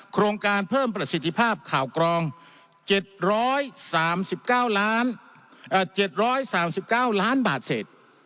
โครงการเพิ่มประสิทธิภาพข่าวกรอง๗๓๙๗๓๙ล้านบาทเศษ